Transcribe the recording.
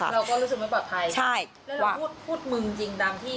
เราก็รู้สึกไม่ปลอดภัยใช่พูดพูดมึงจริงตามที่